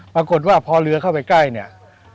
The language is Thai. ปรากฏว่าพอเรือเข้าไปใกล้เนี่ย